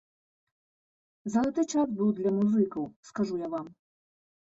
Залаты час быў для музыкаў, скажу я вам.